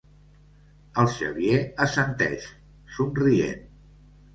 El Xavier assenteix, somrient.